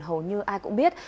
hầu như ai cũng biết